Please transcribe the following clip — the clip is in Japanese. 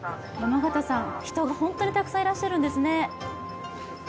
人が本当にたくさんいらっしゃるんですね。